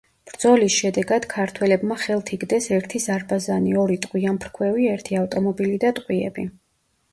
ბრძოლის შედეგად ქართველებმა ხელთ იგდეს ერთი ზარბაზანი, ორი ტყვიამფრქვევი, ერთი ავტომობილი და ტყვიები.